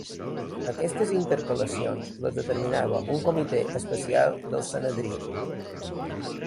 Aquestes intercalacions les determinava un comitè especial del Sanedrí.